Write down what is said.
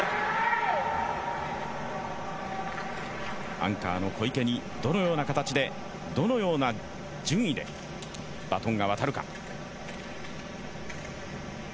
アンカーの小池にどのような形でどのような順位でバトンが渡るか。